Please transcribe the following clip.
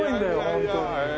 本当に。